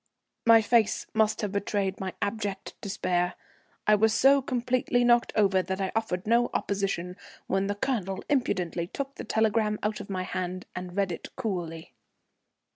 My face must have betrayed my abject despair. I was so completely knocked over that I offered no opposition when the Colonel impudently took the telegram out of my hand and read it coolly.